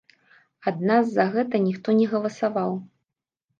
Ад нас за гэта ніхто не галасаваў.